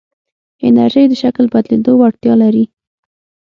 انرژی د شکل بدلېدو وړتیا لري.